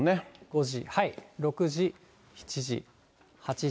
５時、６時、７時、８時。